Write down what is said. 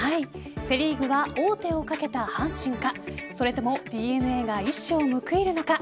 セ・リーグは王手をかけた阪神かそれともＤｅＮＡが一矢報いるのか。